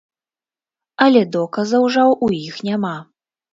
Але доказаў жа ў іх няма.